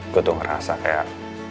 gua tuh ngerasa kayak